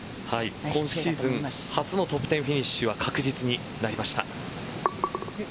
今シーズン初のトップ１０フィニッシュは確実になりました。